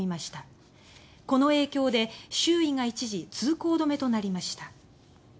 この影響で周囲が一時、通行止めとなりました。